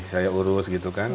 saya urus gitu kan